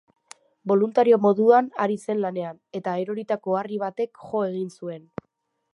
Boluntario moduan ari zen lanean, eta eroritako harri batek jo egin zuen.